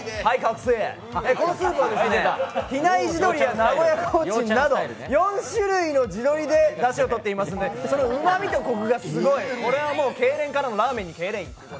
このスープは、比内地鶏や名古屋コーチンなど４種類の地鶏でだしをとっていますのでうまみとコクがすごい、これはけいれんからのラーメンに敬礼。